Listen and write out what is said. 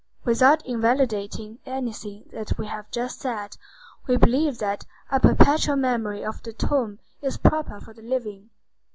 Without invalidating anything that we have just said, we believe that a perpetual memory of the tomb is proper for the living.